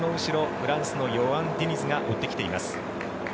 フランスのヨアン・ディニズが追ってきています。